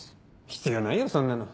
必要ないよそんなの。